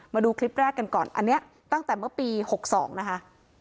มาดูคลิปแรกกันก่อนอันนี้ตั้งแต่เมื่อปี๖๒นะคะ